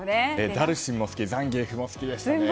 ダルシムもザンギエフも好きでしたね。